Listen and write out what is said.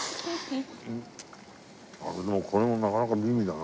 でもこれもなかなか美味だな。